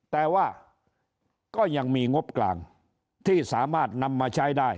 แต่ว่าก็ยังมีงบกลางที่สามารถนำมาใช้ได้